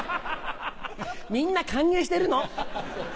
みんな歓迎してるの。